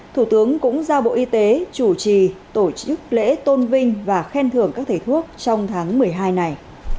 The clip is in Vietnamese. thủ tướng cũng giao bộ y tế chủ trì tổ chức lễ tôn vinh và khen thưởng các thầy thuốc trong tháng một mươi hai này